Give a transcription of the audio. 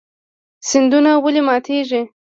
سیندونه ولې ماتیږي؟